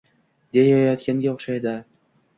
Deyayotganga o`xshardi